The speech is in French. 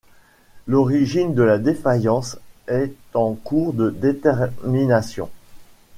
L'origine de la défaillance est en cours de détermination.